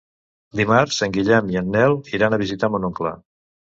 Dimarts en Guillem i en Nel aniran a visitar mon oncle.